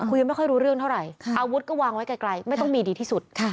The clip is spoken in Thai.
ยังไม่ค่อยรู้เรื่องเท่าไหร่อาวุธก็วางไว้ไกลไม่ต้องมีดีที่สุด